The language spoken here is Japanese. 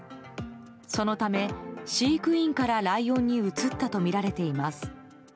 そのため、飼育員からライオンにうつったとみられています。